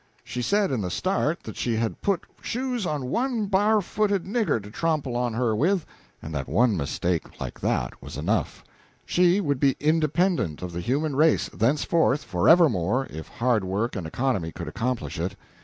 She said in the start that she had "put shoes on one bar'footed nigger to tromple on her with," and that one mistake like that was enough; she would be independent of the human race thenceforth forevermore if hard work and economy could accomplish it.